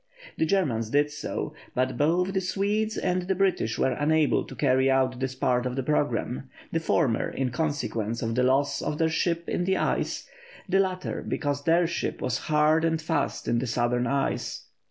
The Germans did so, but both the Swedes and the British were unable to carry out this part of the programme, the former in consequence of the loss of their ship in the ice, the latter because their ship was hard and fast in the southern ice.